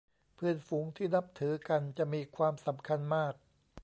เพื่อนฝูงที่นับถือกันจะมีความสำคัญมาก